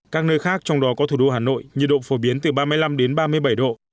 các nơi khác trong đó có thủ đô hà nội nhiệt độ phổ biến từ ba mươi năm đến ba mươi bảy độ